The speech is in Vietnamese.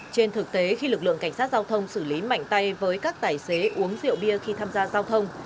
trên thực tế khi lực lượng cảnh sát giao thông xử lý mạnh tay với các tài xế uống rượu bia khi tham gia giao thông